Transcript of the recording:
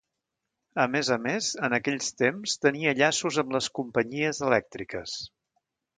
A més a més en aquells temps tenia llaços amb les companyies elèctriques.